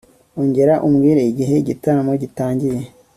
Ongera umbwire igihe igitaramo gitangiye